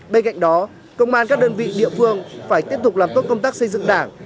bên cạnh đó công an các đơn vị địa phương phải tiếp tục làm tốt công tác xây dựng đảng